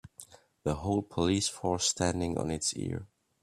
The whole police force standing on it's ear.